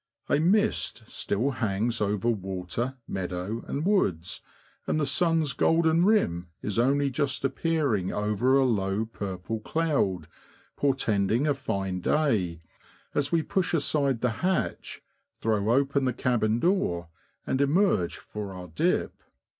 A mist still hangs over water, meadow, and woods, and the sun's golden rim is only just appearing over a low, purple cloud, portending a fine day, as we push aside the hatch, throw open the cabin door, and emerge for our dip.